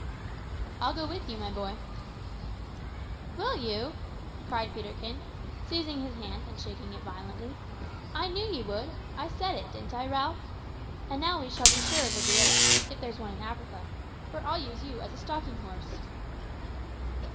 "I'll go with you, my boy." "Will you?" cried Peterkin, seizing his hand and shaking it violently; "I knew you would. I said it; didn't I, Ralph? And now we shall be sure of a gorilla, if there's one in Africa, for I'll use you as a stalking horse."